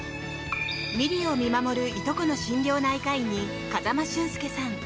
美璃を見守るいとこの心療内科医に風間俊介さん